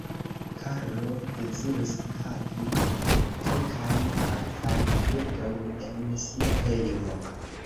Karlo deziris havi kelkajn artajn bildojn en sia hejmo.